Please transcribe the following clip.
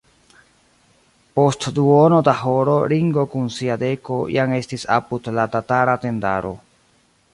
Post duono da horo Ringo kun sia deko jam estis apud la tatara tendaro.